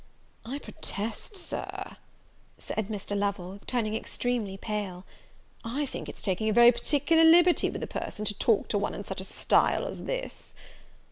"I protest, Sir," said Mr. Lovel, turning extremely pale, "I think it's taking a very particular liberty with a person, to talk to one in such a style as this!"